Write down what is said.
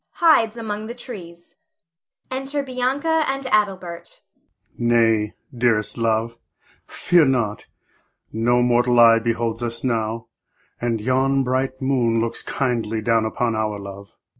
[Hides among the trees.] [Enter Bianca and Adelbert. Adel. Nay, dearest love, fear not; no mortal eye beholds us now, and yon bright moon looks kindly down upon our love.